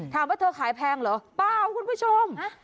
เธอขายแพงเหรอเปล่าคุณผู้ชม